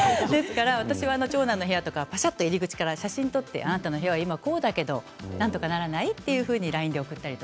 私は長男の部屋は入り口から写真を撮って、あなたの部屋はこうだけど、なんとかならない？とＬＩＮＥで送ったり。